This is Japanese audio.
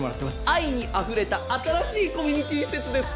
愛にあふれた新しいコミュニティー施設です。